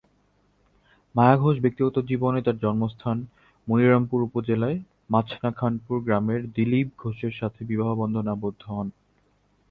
মায়া ঘোষ ব্যক্তিগত জীবনে তার জন্মস্থান মনিরামপুর উপজেলার মাছনা-খানপুর গ্রামের দিলীপ ঘোষের সাথে বিবাহ বন্ধনে আবদ্ধ হন।